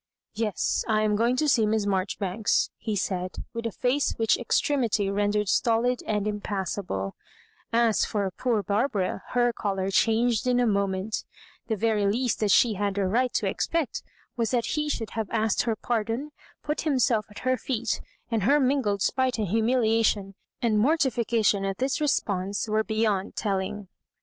'* Yes,. I am going to see Miss Marjori banks," he said, with a fiMse which extremity ren dered stolid and impassibla As for poor Barbara, her colour changed in a moment The very least that she had a right to expect was that he should have asked her pardon, put himself at her feet ; and her mingled spite and humiliation and morti fication at this response were beyond telling.